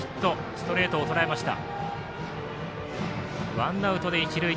ストレートをとらえました。